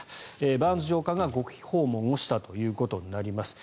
バーンズ長官が極秘訪問したことになります。